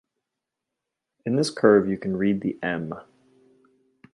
In this curve you can read the "M".